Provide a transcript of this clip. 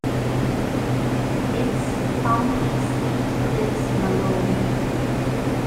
Its county seat is Malone.